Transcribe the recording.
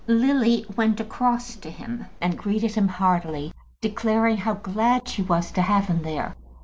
Lily went across to him and greeted him heartily, declaring how glad she was to have him there.